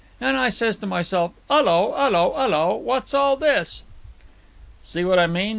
And I says to myself: ''Ullo, 'ullo, 'ullo, what's all this?' "See what I mean?